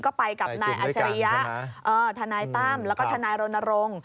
ก็ไปกับนายอัชริยะทนายตั้มแล้วก็ทนายรณรงค์